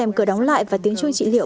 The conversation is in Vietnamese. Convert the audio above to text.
đèn cửa đóng lại và tiếng chuông trị liệu